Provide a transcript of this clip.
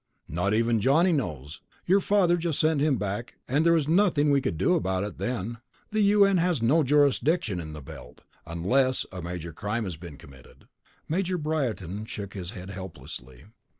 "Not even Johnny knows. Your father just sent him back, and there was nothing we could do about it then. The U.N. has no jurisdiction in the belt, unless a major crime has been committed." Major Briarton shook his head helplessly.